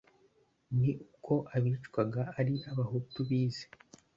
ni uko abicwaga ari abahutu bize.